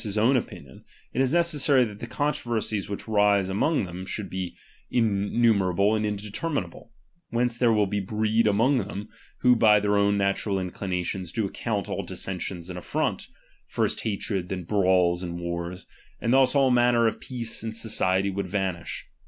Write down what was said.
his own opinion, it is necessary that the controver ^^ i„^^ sies which rise among them, should become intm "'i™"'™^ merable and indeterminable; whence there will oiuhgauu io breed among men, who by their own natural tnclina "'*" ^H tions do account all dissensions an affront, first ha ^H tred, then brawls and wars ; and thus all manner of ^M peace and society would vanish.